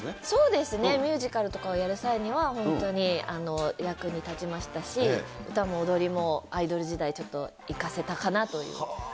そうですね、ミュージカルとかをやる際には、本当に役に立ちましたし、歌も踊りもアイドル時代、ちょっと生かせたかなという。